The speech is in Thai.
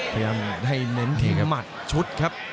พยายามให้เน้นดีกับจุภัณฑ์ชุดครับ